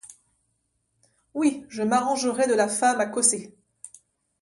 Oui, je m’arrangerai de la femme à Cossé.